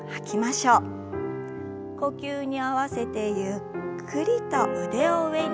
呼吸に合わせてゆっくりと腕を上に。